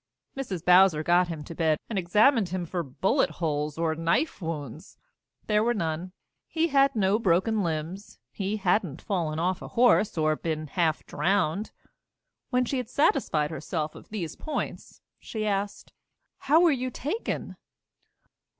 Mrs. Bowser got him to bed and examined him for bullet holes or knife wounds. There were none. He had no broken limbs. He hadn't fallen off a horse or been half drowned. When she had satisfied herself on these points, she asked: "How were you taken?"